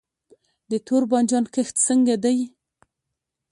د تور بانجان کښت څنګه دی؟